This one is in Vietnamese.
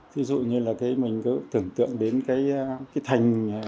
ví dụ như là cái mình cứ tưởng tượng đến cái thành